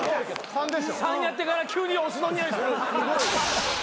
３やってから急にお酢のにおいする。